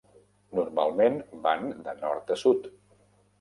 Normalment van de nord a sud.